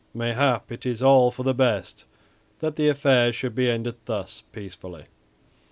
Mayhap it is all for the best that the affair should be ended thus peacefully.